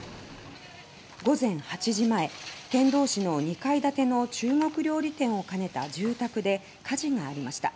午前８時前天童市の２階建ての中国料理店を兼ねた住宅で火事がありました。